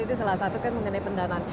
itu salah satu kan mengenai pendanaan